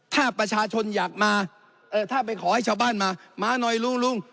ถ้าประชาชนอยากมาถ้าไปขอให้ชาวบ้านมามาหน่อยลุงลุง